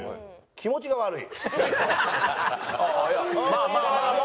「気持ちが悪い」。